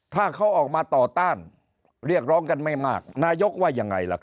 ถ้าเขาออกมาต่อต้านเรียกร้องกันไม่มากนายกว่ายังไงล่ะครับ